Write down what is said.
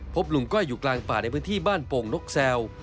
ลุงก้อยอยู่กลางป่าในพื้นที่บ้านโป่งนกแซว